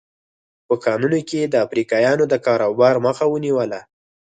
په کانونو کې یې د افریقایانو د کاروبار مخه ونیوله.